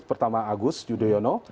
pertama agus yudhoyono